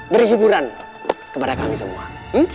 berhiburan kepada kami semua